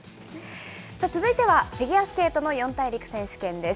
続いてはフィギュアスケートの四大陸選手権です。